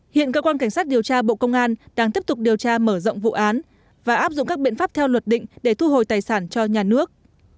hiện cơ quan cảnh sát điều tra bộ công an đang tiếp tục điều tra mở rộng vụ án và áp dụng các biện pháp theo luật định để thu hồi tài sản cho nhà nước